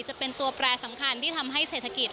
จะเป็นตัวแปรสำคัญที่ทำให้เศรษฐกิจ